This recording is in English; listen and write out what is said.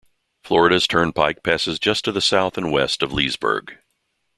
Florida's Turnpike passes just to the south and west of Leesburg.